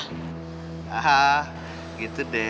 hah gitu deh